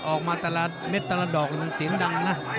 ออกมาแต่ละเม็ดแต่ละดอกสีมันดังนะ